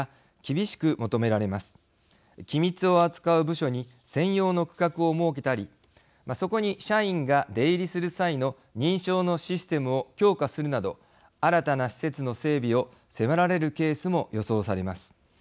機密を扱う部署に専用の区画を設けたりそこに社員が出入りする際の認証のシステムを強化するなど新たな施設の整備を迫られるケースも予想されます。